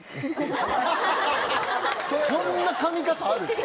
そんな噛み方ある？